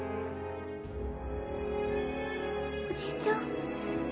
おじちゃん？